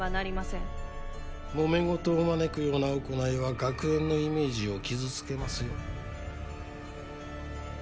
もめ事を招くような行いは学園のイメージを傷つけますよ。